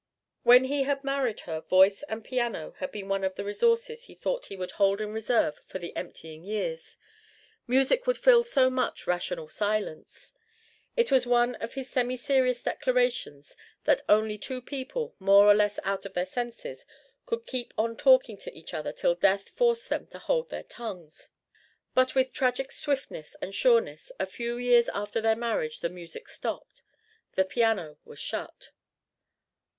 When he had married her, voice and piano had been one of the resources he thought he would hold in reserve for the emptying years; music would fill so much rational silence. It was one of his semi serious declarations that only two people more or less out of their senses could keep on talking to each other till death forced them to hold their tongues. But with tragic swiftness and sureness a few years after their marriage the music stopped, the piano was shut.